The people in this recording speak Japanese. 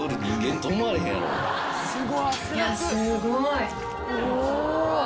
すごい。お！